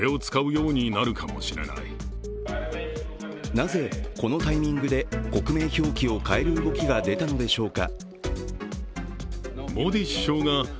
なぜこのタイミングで国名表記を変える動きが出たのでしょうか。